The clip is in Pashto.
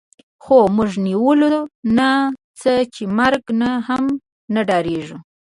خو موږ نیولو نه څه چې مرګ نه هم نه ډارېږو